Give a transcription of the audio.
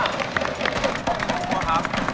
ขอบคุณครับ